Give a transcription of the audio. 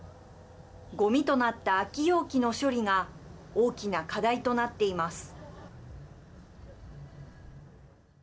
ごみとなった空き容器の処理が大きな課題となっています。